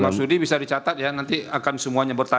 prof marsudi bisa dicatat ya nanti akan semuanya bertanya